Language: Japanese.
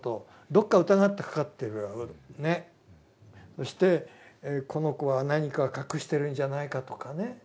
そしてこの子は何か隠してるんじゃないかとかね。